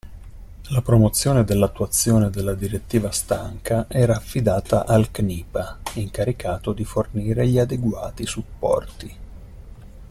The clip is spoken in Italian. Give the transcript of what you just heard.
La promozione dell'attuazione della Direttiva Stanca era affidata al CNIPA, incaricato di fornire gli adeguati supporti.